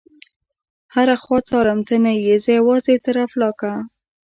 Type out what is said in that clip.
هره خوا څارم ته نه يې، زه یوازي تر افلاکه